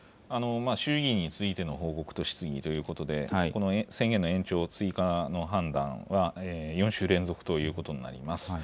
衆議院に続いての報告と質疑ということで、この宣言の延長追加の判断は、４週連続ということになります。